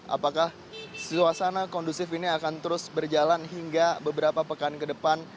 apakah suasana kondusif ini akan terus berjalan hingga beberapa pekan ke depan